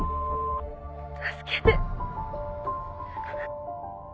助けて